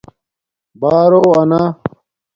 بݳرو انݳ